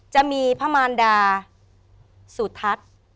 จะมีพระมารดาจุธัษย์